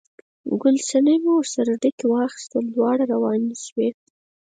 ګل صنمې ورسره ډکي واخیستل، دواړه روانې شوې.